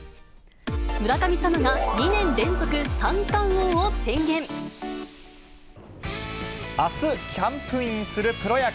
村神様が、２年連続三冠王をあすキャンプインするプロ野球。